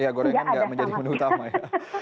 iya gorengan nggak menjadi menu utama ya